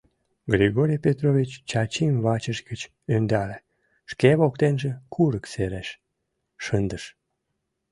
Григорий Петрович Чачим вачыж гыч ӧндале, шке воктенже, курык сереш, шындыш.